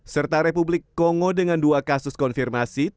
serta republik kongo dengan dua kasus konfirmasi